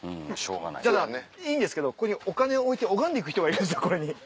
ただいいんですけどここにお金を置いて拝んでいく人がいるんですこれに。